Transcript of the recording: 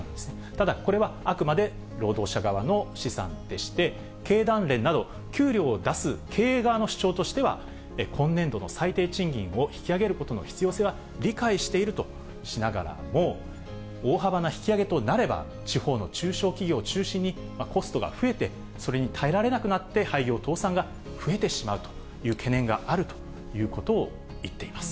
ただ、これはあくまで労働者側の試算でして、経団連など、給料を出す経営側の主張としては、今年度の最低賃金を引き上げることの必要性は理解しているとしながらも、大幅な引き上げとなれば、地方の中小企業を中心にコストが増えて、それに耐えられなくなって、廃業、倒産が増えてしまうという懸念があるということを言っています。